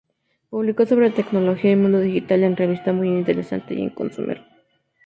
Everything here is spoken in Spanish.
Publicó sobre tecnología y mundo digital en la revista Muy Interesante y en Consumer.